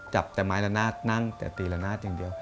จับแต่ไม้ละนาดนั่งแต่ตีละนาดอย่างเดียว